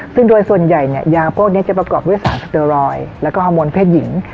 ซึ่งโดยส่วนใหญ่เนี่ยยาพวกนี้จะประกอบด้วยสารสเตอร์รอยแล้วก็ฮอร์โมนเพศหญิง